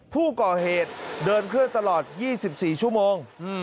ผู้ก่อเหตุเดินเคลื่อนตลอด๒๔ชั่วโมง